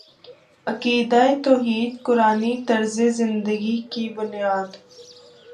عقیدہ توحید قرآنی طرزِ زندگی کی بنیاد